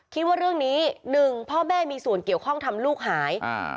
คิดว่าเรื่องนี้หนึ่งพ่อแม่มีส่วนเกี่ยวข้องทำลูกหาย